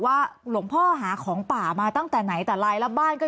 ว่าหลวงพ่อหาของป่ามาตั้งแต่ไหนแต่ไรแล้วบ้านก็